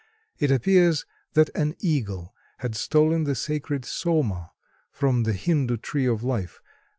It appears that an eagle had stolen the sacred Soma from the Hindu tree of life.